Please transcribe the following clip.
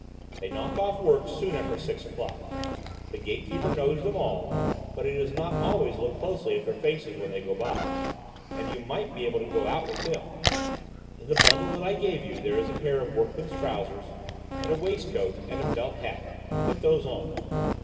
They knock off work soon after six o'clock. The gate keeper knows them all, but he does not always look closely at their faces when they go by, and you might perhaps be able to go out with them. "In the bundle that I gave you there is a pair of workman's trousers, and a waistcoat and a felt hat; put those on.